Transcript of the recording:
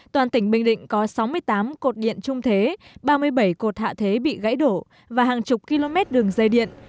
toàn tỉnh bình định có sáu mươi tám cột điện trung thế ba mươi bảy cột hạ thế bị gãy đổ và hàng chục km đường dây điện